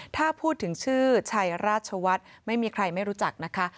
ถ้าพูดถึงชื่อชัยราชวัฒน์ไม่มีใครไม่รู้จักนะคะ